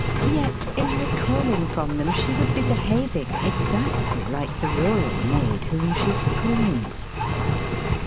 Yet in recoiling from them she would be behaving exactly like the rural maid whom she scorns.